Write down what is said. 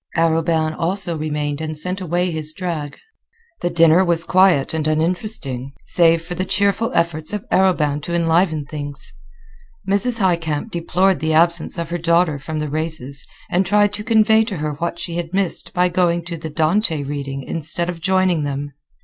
Arobin also remained and sent away his drag. The dinner was quiet and uninteresting, save for the cheerful efforts of Arobin to enliven things. Mrs. Highcamp deplored the absence of her daughter from the races, and tried to convey to her what she had missed by going to the "Dante reading" instead of joining them.